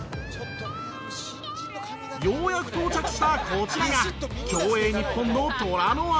ようやく到着したこちらが競泳ニッポンの虎の穴。